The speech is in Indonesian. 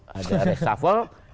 kabinet yang memang akan menang